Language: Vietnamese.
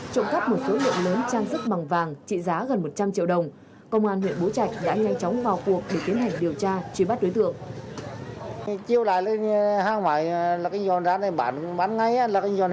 trộm cắt một số liệu lớn trang sức bằng vàng trị giá gần một trăm linh triệu đồng